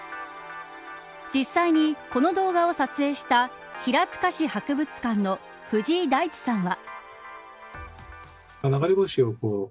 実際にこの動画を撮影した平塚市博物館の藤井大地さんは。